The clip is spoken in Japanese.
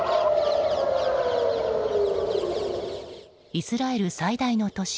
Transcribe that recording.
イスラエル最大の都市